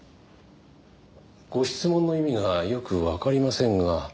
ご質問の意味がよくわかりませんが。